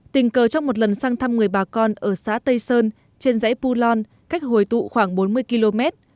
tình cờ trong một lần sang thăm người bà con ở xã tây sơn trên dãy pulon cách hồi tụ khoảng bốn mươi km